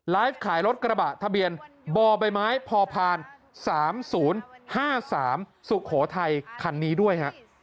ขายรถกระบะทะเบียนบ่อใบไม้พอพาน๓๐๕๓สุโขทัยคันนี้ด้วยฮะ